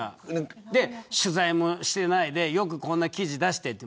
取材もしてないでよくこんな記事出してと。